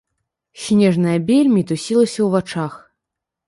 Снежная бель мітусілася ў вачах.